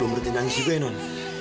kau berhenti nangis juga ya non